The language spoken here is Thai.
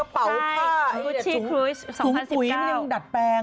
เป็นวัฒนาอย่างนี้เลยตอนนี้ราคาเป็นหมื่น